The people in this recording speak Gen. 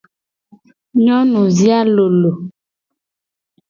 Nyonuvi a lolo.